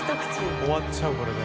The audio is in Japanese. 終わっちゃうこれで。